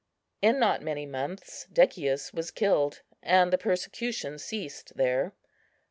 In not many months Decius was killed, and the persecution ceased there.